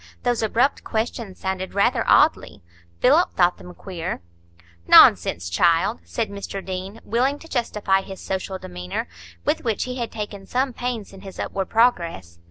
Those abrupt questions sounded rather oddly. Philip thought them queer." "Nonsense, child!" said Mr Deane, willing to justify his social demeanour, with which he had taken some pains in his upward progress.